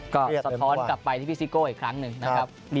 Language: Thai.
ก็สะท้อนกลับไปที่พี่ซิโก้อีกครั้งหนึ่งนะครับ